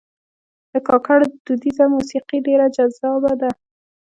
د کاکړ دودیزه موسیقي ډېر جذابه ده.